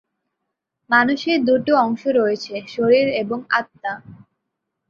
মানুষের দু’টো অংশ রয়েছে- শরীর এবং আত্মা।